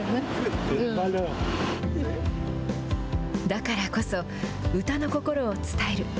だからこそ、歌の心を伝える。